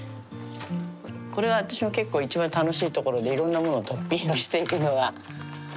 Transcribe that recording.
これが私の結構一番楽しいところでいろんなものをトッピングしていくのが。